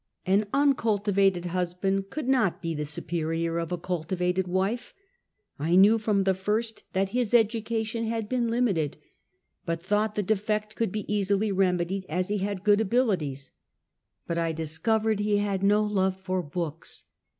An uncultivated husband could not be the superior of a cultivated wife. I knew from the first that his education had been lim ited, but thought the defect would be easily remedied as he had good abilities, but I discovered he had no love for books.